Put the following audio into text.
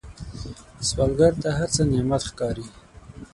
سوالګر ته هر څه نعمت ښکاري